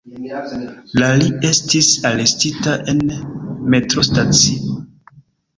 La li estis arestita en metro-stacio.